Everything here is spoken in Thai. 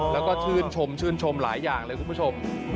แล้วก็ชื่นชมชื่นชมหลายอย่างเลยคุณผู้ชม